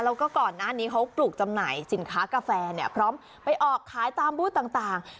แล้วก็ก่อนหน้านี้เขาปลูกจำหน่ายสินค้ากาแฟเนี่ยพร้อมไปออกขายตามบูธต่าง